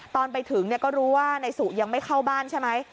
ตอนไปถึงก็รู้ว่านายสุยังไม่เข้าบ้านใช่ไหม